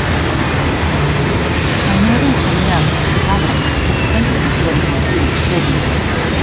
Gañar ou gañar, se cadra, o que ten facer o Deportivo, Terio.